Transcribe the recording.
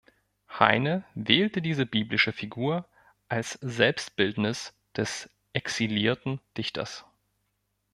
Heine wählte diese biblische Figur als Selbstbildnis des exilierten Dichters.